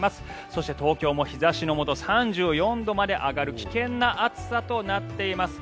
そして東京も日差しのもと３４度まで上がる危険な暑さとなっています。